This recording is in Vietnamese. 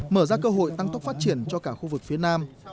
mở ra cơ hội tăng tốc phát triển cho cả khu vực phía nam